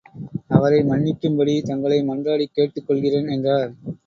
அவரை மன்னிக்கும்படி தங்களை மன்றாடிக் கேட்டுக் கொள்கிறேன் என்றார்.